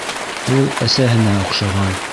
Ул әсәһенә оҡшаған.